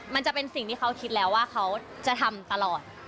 มันจะเป็นสิ่งที่เขาคิดแล้วว่าเขาจะทำตลอด